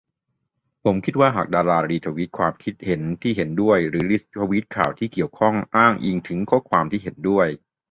ผมคิดว่าหากดารารีทวีตความคิดเห็นที่เห็นด้วย รีทวีตข่าวที่เกี่ยวข้อง อ้างอิงถึงข้อความที่เห็นด้วย